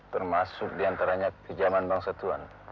termasuk di antaranya kejaman bangsa tuhan